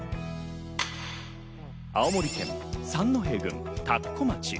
青森県三戸郡田子町。